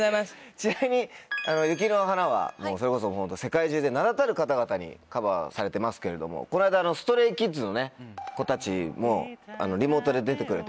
ちなみに『雪の華』はそれこそ世界中で名だたる方々にカバーされてますけれどもこの間ＳｔｒａｙＫｉｄｓの子たちもリモートで出てくれたんですよ。